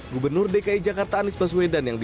gubernur dki jakarta anies baswedan yang